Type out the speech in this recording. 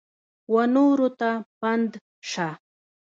ونورو ته پند شه !